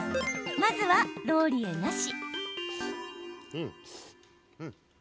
まずはローリエなし。